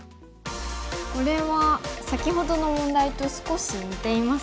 これは先ほどの問題と少し似ていますが。